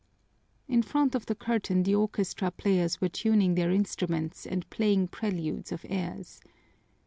In front of the curtain the orchestra players were tuning their instruments and playing preludes of airs.